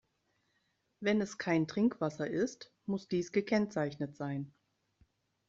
Wenn es kein Trinkwasser ist, muss dies gekennzeichnet sein.